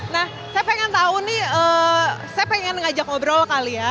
nah saya pengen tahu nih saya pengen ngajak ngobrol kali ya